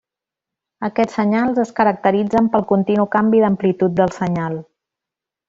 Aquests senyals es caracteritzen pel continu canvi d'amplitud del senyal.